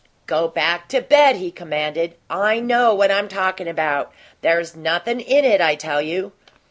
"Go back to bed," he commanded. "I KNOW what I'm talkin' about; there's nothin' in it, I tell you."